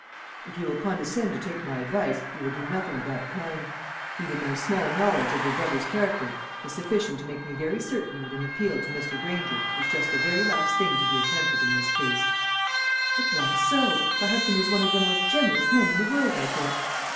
"If you will condescend to take my advice, you will do nothing of that kind. Even my small knowledge of your brother's character is sufficient to make me very certain that an appeal to Mr. Granger is just the very last thing to be attempted in this case." "But why so? my husband is one of the most generous men in the world, I think."